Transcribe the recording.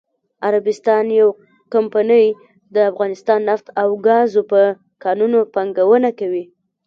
عربستان یوه کمپنی دافغانستان نفت او ګازو په کانونو پانګونه کوي.😱